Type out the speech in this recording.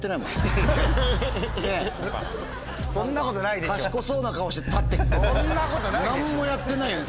そんなことないですよ。